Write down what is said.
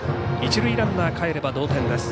一塁ランナーかえれば同点。